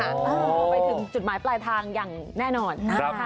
ไปถึงจุดหมายปลายทางอย่างแน่นอน